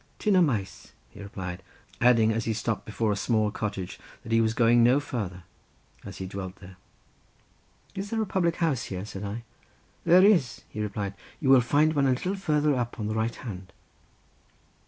"Ty yn y maes," he replied, adding as he stopped before a small cottage that he was going no farther, as he dwelt there. "Is there a public house here?" said I. "There is," he replied, "you will find one a little farther up on the right hand."